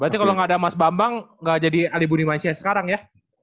berarti kalau enggak ada mas bambang enggak jadi ali bunimansia sekarang ya